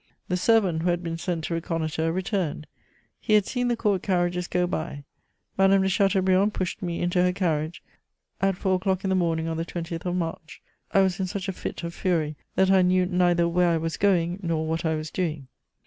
The servant who had been sent to reconnoitre returned: he had seen the Court carriages go by. Madame de Chateaubriand pushed me into her carriage, at four o'clock in the morning on the 20th of March. I was in such a fit of fury that I knew neither where I was going nor what I was doing.